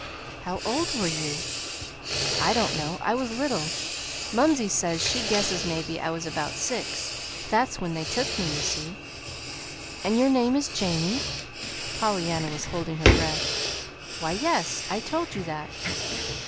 "How old were you?" "I don't know. I was little. Mumsey says she guesses maybe I was about six. That's when they took me, you see." "And your name is Jamie?" Pollyanna was holding her breath. "Why, yes, I told you that."